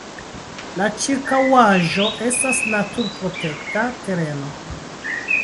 La ĉirkaŭaĵo estas naturprotekta tereno.